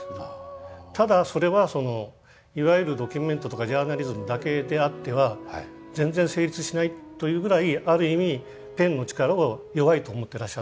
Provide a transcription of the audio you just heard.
ただそれはいわゆるドキュメントとかジャーナリズムだけであっては全然成立しないというぐらいある意味ペンの力は弱いと思ってらっしゃったと思うんです。